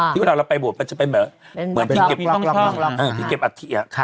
พี่เราไปโบสจ์มันจะเป็นเหมือนเหมือนที่แจบอธิอะ